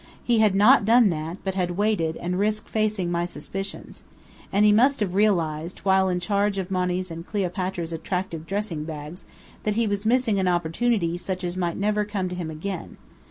He had not done that, but had waited, and risked facing my suspicions. And he must have realized, while in charge of Monny's and Cleopatra's attractive dressing bags, that he was missing an opportunity such as might never come to him again.